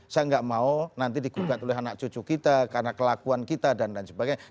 saya nggak mau nanti digugat oleh anak cucu kita karena kelakuan kita dan lain sebagainya